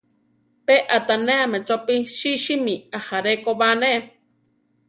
Pe aʼtanéame chopí sísimi ajaré ko ba, né.